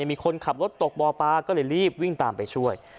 มีคนขับรถตกบ่อปลาก็เลยรีบวิ่งตามไปช่วย